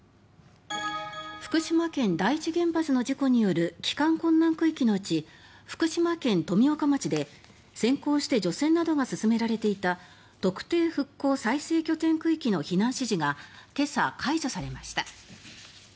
福島第一原発の事故による帰還困難区域のうち福島県富岡町で、先行して除染などが進められていた特定復興再生拠点区域の避難指示が今朝、解除されました。